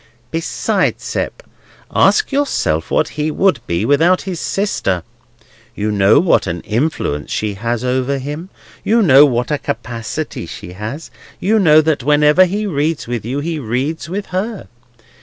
"Besides, Sept, ask yourself what he would be without his sister. You know what an influence she has over him; you know what a capacity she has; you know that whatever he reads with you, he reads with her.